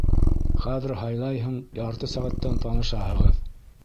Хәҙер һайлайһың, ярты сәғәттән танышаһығыҙ!